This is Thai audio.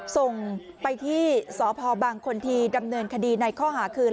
ส่งไปที่สพบางคนทีดำเนินคดีในข้อหาคืน